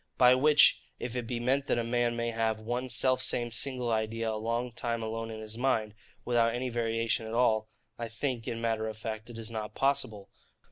By which, if it be meant that a man may have one self same single idea a long time alone in his mind, without any variation at all, I think, in matter of fact, it is not possible.